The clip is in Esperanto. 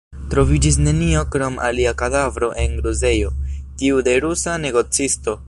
Troviĝis nenio krom alia kadavro en gruzejo, tiu de rusa negocisto.